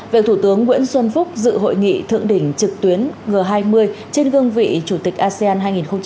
về thủ tướng nguyễn xuân phúc dự hội nghị thượng đỉnh trực tuyến g hai mươi trên gương vị chủ tịch asean hai nghìn hai mươi